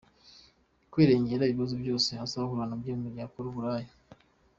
kwirengera ibibazo byose azahura nabyo mu gihe akora uburaya .